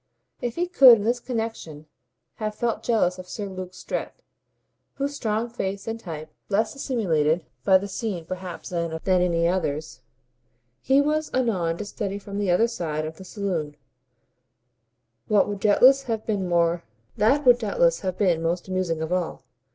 If he could in this connexion have felt jealous of Sir Luke Strett, whose strong face and type, less assimilated by the scene perhaps than any others, he was anon to study from the other side of the saloon, that would doubtless have been most amusing of all.